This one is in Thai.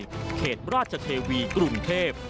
เขตราชเทวีกรุงเทพ